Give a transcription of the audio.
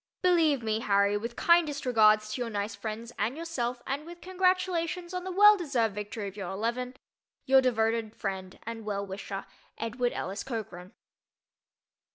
Believe me, Harry, with kindest regards to your nice friends and yourself and with congratulations on the well deserved victory of your "eleven," Your devoted friend and well wisher, EDWARD ELLIS COCHRAN.